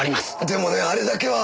でもねあれだけは。